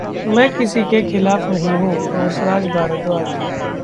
मैं किसी के खिलाफ नहीं हूं: हंसराज भारद्वाज